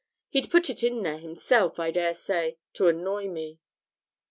He'd put it in there himself, I dare say, to annoy me.'